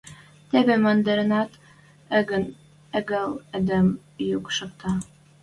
Теве мӹндӹрнӓт агыл эдем юк шакта.